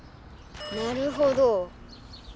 なるほど。